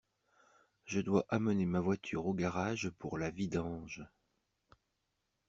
Je dois amener ma voiture au garage pour la vidange.